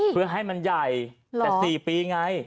เพื่อให้มันใหญ่แต่๔ปีไง